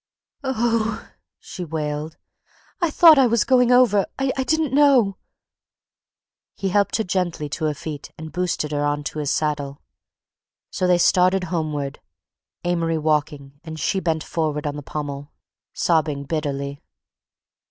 "Oh!" she wailed. "I thought I was going over. I didn't know—" He helped her gently to her feet and boosted her onto his saddle. So they started homeward; Amory walking and she bent forward on the pommel, sobbing bitterly.